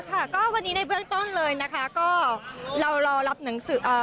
ค่ะก็วันนี้ในเบื้องต้นเลยนะคะก็เรารอรับหนังสือเอ่อ